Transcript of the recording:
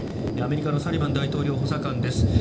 アメリカのサリバン大統領補佐官です。